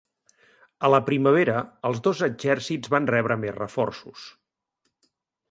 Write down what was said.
A la primavera, els dos exèrcits van rebre més reforços.